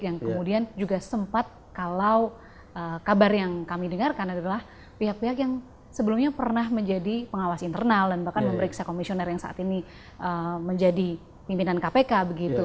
yang kemudian juga sempat kalau kabar yang kami dengarkan adalah pihak pihak yang sebelumnya pernah menjadi pengawas internal dan bahkan memeriksa komisioner yang saat ini menjadi pimpinan kpk begitu